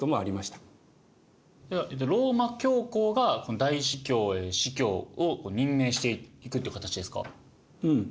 ローマ教皇が大司教や司教を任命していくって形ですか？